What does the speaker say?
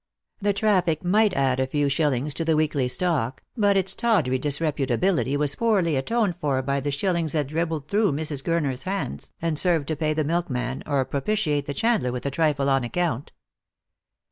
The traffic might add a few shillings to the weekly stock, but its tawdry disreputability was poorly atoned for by the shillings that dribbled through Mrs. Gurner's hands, and served to pay the milkman, or propitiate the chandler with a trifle on account.